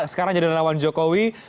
sekarang jadwal lawan jokowi